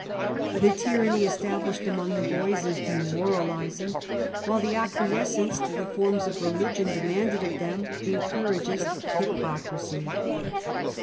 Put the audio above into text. The tyranny established among the boys is demoralizing, while the acquiescence to the forms of religion demanded of them, encourages hypocrisy.